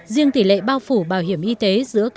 riêng tỷ lệ bao phủ bảo hiểm y tế